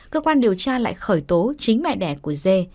cơ quan điều tra lại khởi tố chính mẹ đẻ của dê